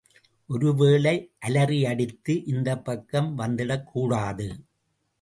ஒருவேளை அலறியடித்து இந்தப்பக்கம் வந்திடக்கூடாது.